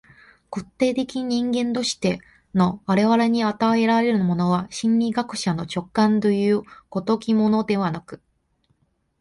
具体的人間としての我々に与えられるものは、心理学者の直覚という如きものではなく、